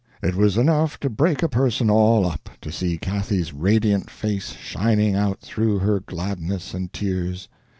It was enough to break a person all up, to see Cathy's radiant face shining out through her gladness and tears.